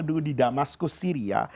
dulu di damaskus syria